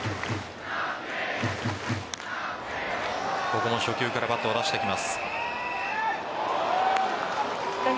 ここも初球からバットを出していきます。